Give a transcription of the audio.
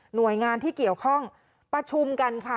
หน่วยงานที่เกี่ยวข้องประชุมกันค่ะ